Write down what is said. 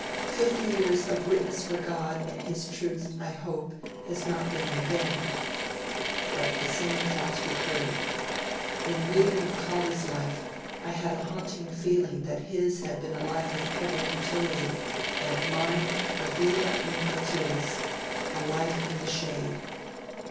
Fifty years of witness for God and His Truth, I hope, has not been in vain.' But the same thoughts recurred. 'In reading Macaulay's life I had a haunting feeling that his had been a life of public utility and mine a vita umbratilis, a life in the shade.'